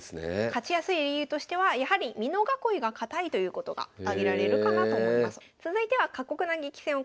勝ちやすい理由としてはやはりということが挙げられるかなと思います。